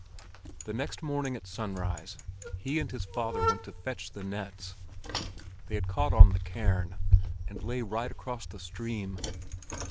The next morning at sunrise he and his father went to fetch the nets. They had caught on the cairn, and lay right across the stream.